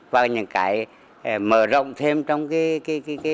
và những cái mở rộng thêm trong cái vấn đề